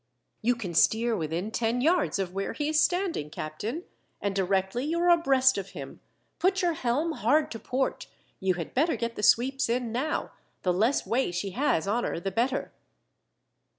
"You can steer within ten yards of where he is standing, captain, and directly you are abreast of him, put your helm hard to port. You had better get the sweeps in now, the less way she has on her the better."